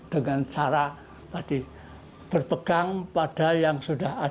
dengan cara berpegang pada yang sudah diperlukan